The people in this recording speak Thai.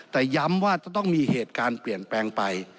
แต่ย้ำว่าจะต้องมีเหตุการณ์เปลี่ยนแปลงไป